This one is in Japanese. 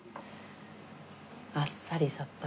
あっさりさっぱり。